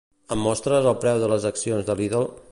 Em mostres el preu de les accions de Lidl?